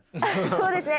そうですね。